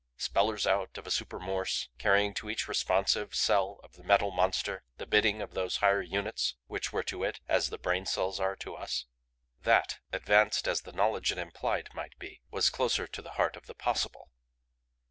Spellers out of a super Morse carrying to each responsive cell of the Metal Monster the bidding of those higher units which were to It as the brain cells are to us? That, advanced as the knowledge it implied might be, was closer to the heart of the possible.